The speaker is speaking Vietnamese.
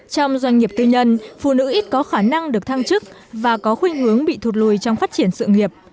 trong doanh nghiệp tư nhân phụ nữ ít có khả năng được thăng chức và có khuyên hướng bị thụt lùi trong phát triển sự nghiệp